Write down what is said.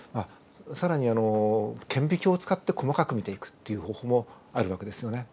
更に顕微鏡を使って細かく見ていくっていう方法もある訳ですよね。